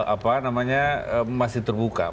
apa namanya masih terbuka